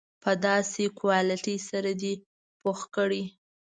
په داسې کوالیټي سره دې پوخ کړي.